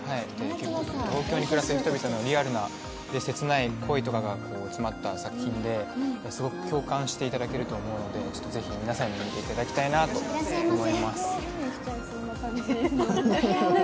東京に暮らす人々のリアルな切ない恋とかが詰まった作品ですごく共感していただけると思うんで、ぜひ、皆さんに見ていただきたいなと思います。